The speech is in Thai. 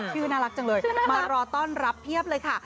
ชื่อน่ารักจังเลยมารอต้อนรับเพียบเลยค่ะ